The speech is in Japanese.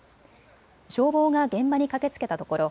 消防が現場に駆けつけたところ